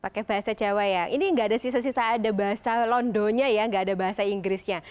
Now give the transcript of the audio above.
pakai bahasa jawa ya ini nggak ada sisa sisa ada bahasa londonya ya nggak ada bahasa inggrisnya